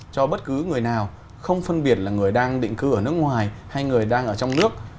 cho bất cứ người nào không phân biệt là người đang định cư ở nước ngoài hay người đang ở trong nước